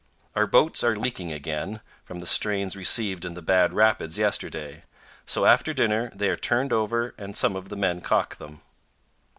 Our boats are leaking again, from the strains received in the bad rapids yesterday, so after dinner they are turned over and some of the men calk them.